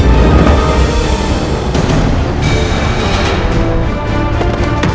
marah si air panas